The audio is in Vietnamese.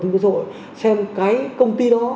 thông tin quốc hội xem cái công ty đó